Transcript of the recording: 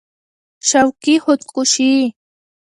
شوقي خود کشي